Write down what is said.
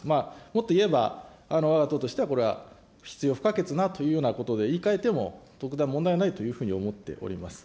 もっと言えば、わが党としてはこれは必要不可欠なということで言い換えても特段問題ないというふうに思っております。